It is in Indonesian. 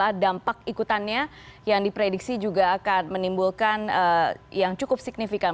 nah dari utama ikutannya yang diprediksi juga akan menimbulkan yang cukup signifikan